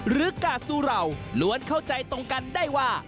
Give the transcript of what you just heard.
หรือกัดสุเหล่าล้วนเข้าใจตรงกันได้ว่า